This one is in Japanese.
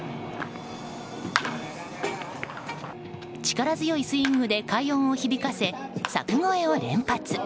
力強いスイングで快音を響かせ柵越えを連発。